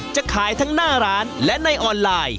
จะขายทั้งหน้าร้านและในออนไลน์